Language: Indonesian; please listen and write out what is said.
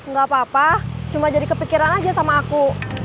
nggak apa apa cuma jadi kepikiran aja sama aku